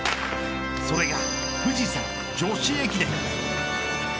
それが富士山女子駅伝。